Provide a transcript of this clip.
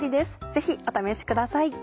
ぜひお試しください。